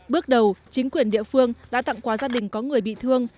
bước đầu chính quyền địa phương đã tặng quà gia đình có người bị thương